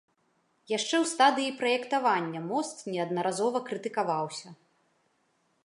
Яшчэ ў стадыі праектавання мост неаднаразова крытыкаваўся.